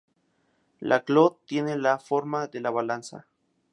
La "cloth" tiene la forma de la balanza.